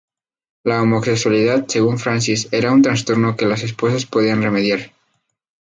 La homosexualidad según Francis era "un trastorno que las esposas podían remediar".